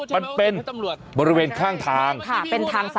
มันเป็นบริเวณข้างทาง๓